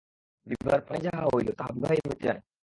বিভার প্রাণে যাহা হইল তাহা বিভাই জানে।